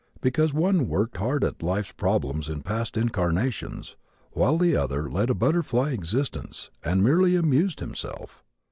Because one worked hard at life's problems in past incarnations while the other led a butterfly existence and merely amused himself.